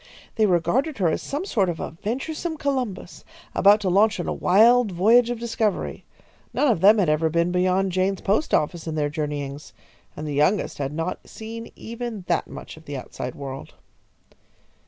They regarded her as some sort of a venturesome Columbus, about to launch on a wild voyage of discovery. None of them had ever been beyond Jaynes's Post office in their journeyings, and the youngest had not seen even that much of the outside world.